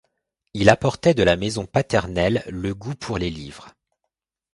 Il apportait de la maison paternelle le goût pour les livres.